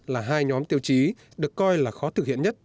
là hai nhóm tiêu chí được coi là khó thực hiện nhất